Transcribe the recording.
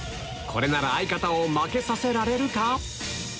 これなら相方を負けさせられるか？